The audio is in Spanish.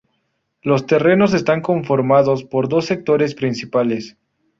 Los terrenos están conformados por dos sectores principales.